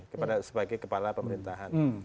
kepada sebagai kepala pemerintahan